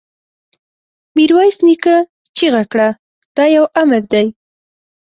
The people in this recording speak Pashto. ميرويس نيکه چيغه کړه! دا يو امر دی!